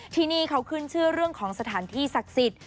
ที่นี่เขาขึ้นชื่อเรื่องของสถานที่ศักดิ์สิทธิ์